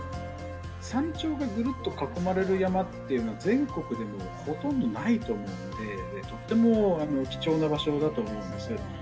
山頂がぐるっと囲まれる山っていうのは、全国でもほとんどないと思うんで、とっても貴重な場所だと思うんです。